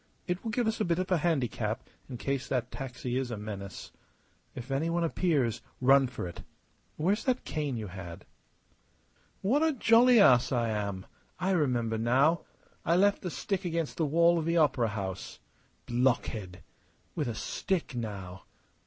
It will give us a bit of a handicap in case that taxi is a menace. If any one appears, run for it. Where's the cane you had?" "What a jolly ass I am! I remember now. I left the stick against the wall of the opera house. Blockhead! With a stick, now!...